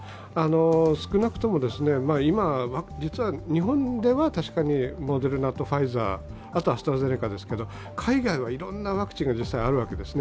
少なくとも今、実は日本では確かにモデルナとファイザーあとアストラゼネカですけど海外はいろんなワクチンがあるわけですね。